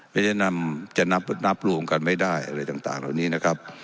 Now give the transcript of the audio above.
จะนำจะนับรวมกันไม่ได้อะไรต่างเหล่านี้นะครับ